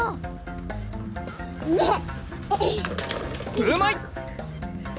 うまい！